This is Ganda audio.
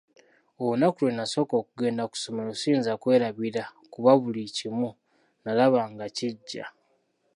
Olunaku lwe nasooka okugenda ku ssomero siyinza kulwerabira kuba buli kimu nalaba nga kiggya!